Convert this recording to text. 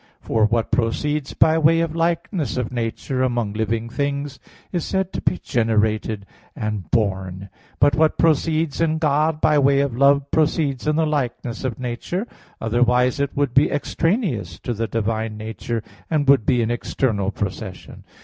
For what proceeds by way of likeness of nature among living things is said to be generated and born. But what proceeds in God by way of love proceeds in the likeness of nature; otherwise it would be extraneous to the divine nature, and would be an external procession.